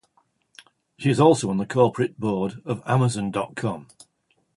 She is also on the corporate board of Amazon dot com.